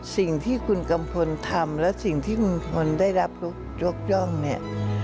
สิ่งที่คุณกัมพลทำและสิ่งที่คุณพลได้รับยกย่องเนี่ย